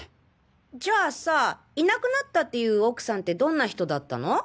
じゃあさいなくなったっていう奥さんってどんな人だったの？